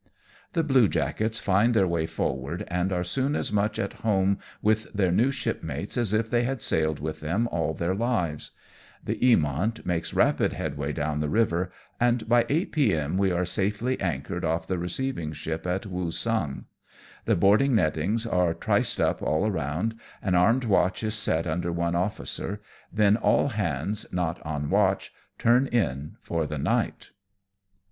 The bluejackets find their way forward, and are soon as much at home with their new shipmates as if they had sailed with them all their lives. The Eamont makes rapid headway down the river, and by 8 p.m. we are safely anchored off the receiv ing ship at Woosung. The boarding nettings are triced up all round, an armed watch is set under one officer, then all hands not on watch turn in for the, night.